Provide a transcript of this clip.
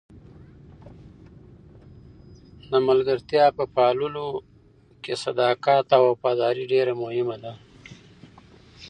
د ملګرتیا په پاللو کې صداقت او وفاداري ډېره مهمه ده.